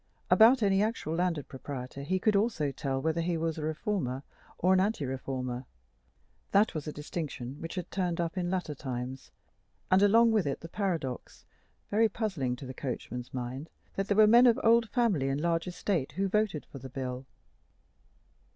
About any actual landed proprietor he could also tell whether he was a Reformer or an Anti Reformer. That was a distinction which had "turned up" in latter times, and along with it the paradox, very puzzling to the coachman's mind, that there were men of old family and large estate who voted for the Bill.